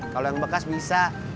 kalau yang bekas bisa